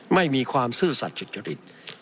ไม่มีความซื่อสัจจดิษฐ์